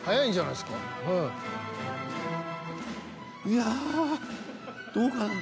いやどうかな。